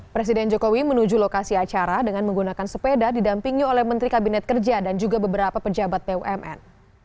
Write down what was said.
presiden jokowi menuju lokasi acara dengan menggunakan sepeda didampingi oleh menteri kabinet kerja dan juga beberapa pejabat bumn